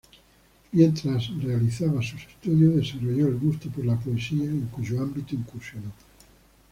Mientras realizaba sus estudios, desarrolló el gusto por la poesía, en cuyo ámbito incursionó.